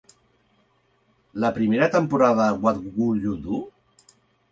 La primera temporada de "What Would You Do?"